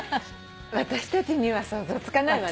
私たちには想像つかないわね。